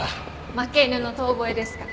負け犬の遠吠えですから。